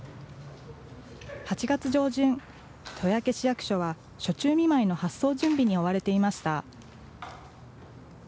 ８月上旬、豊明市役所は暑中見舞いの発送準備に追われていました。